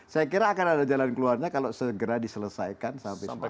saya kira akan ada jalan keluarnya kalau segera diselesaikan sampai seperti ini